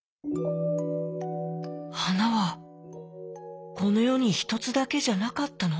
「はなはこのよにひとつだけじゃなかったの？